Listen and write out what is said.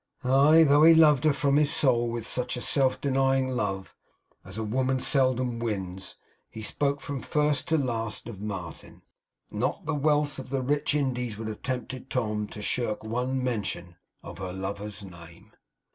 Aye, though he loved her from his soul with such a self denying love as woman seldom wins; he spoke from first to last of Martin. Not the wealth of the rich Indies would have tempted Tom to shirk one mention of her lover's name.